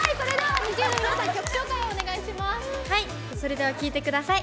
それでは聴いてください。